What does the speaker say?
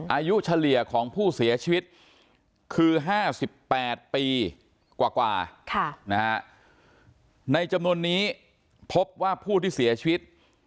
เฉลี่ยของผู้เสียชีวิตคือ๕๘ปีกว่าในจำนวนนี้พบว่าผู้ที่เสียชีวิต